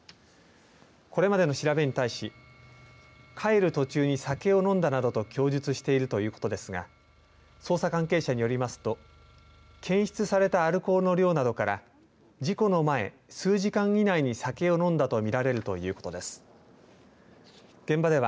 これまでの調べに対し帰る途中に酒を飲んだなどと供述しているということですが捜査関係者によりますと検出されたアルコールの量などから事故の前、数時間以内に酒を飲んだとみられるということです。